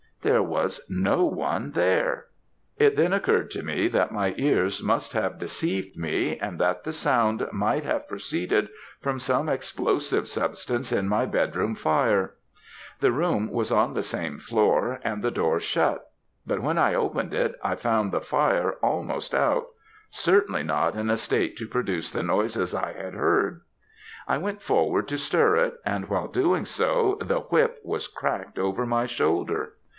There was no one there. It then occurred to me that my ears must have deceived me, and that the sound might have proceeded from some explosive substance in my bedroom fire. The room was on the same floor, and the door shut; but when I opened it, I found the fire almost out certainly not in a state to produce the noises I had heard. I went forward to stir it, and while doing so, the whip was cracked over my shoulder.